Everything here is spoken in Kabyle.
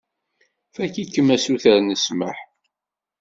Fakk-ikem asuter n ssmaḥ.